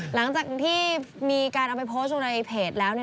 หลังจากที่มีการเอาไปโพสต์ลงในเพจแล้ว